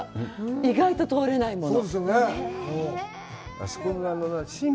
意外と通れないもの！